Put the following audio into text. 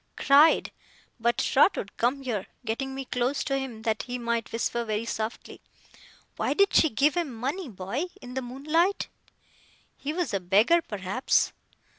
Cried. But, Trotwood, come here,' getting me close to him, that he might whisper very softly; 'why did she give him money, boy, in the moonlight?' 'He was a beggar, perhaps.